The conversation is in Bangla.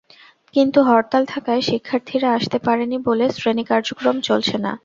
কিন্তু হরতাল থাকায় শিক্ষার্থীরা আসতে পারেনি বলে শ্রেণী কার্যক্রম চলছে না।